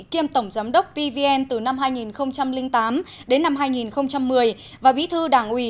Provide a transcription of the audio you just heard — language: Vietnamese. kiêm tổng giám đốc pvn từ năm hai nghìn tám đến năm hai nghìn một mươi và bí thư đảng ủy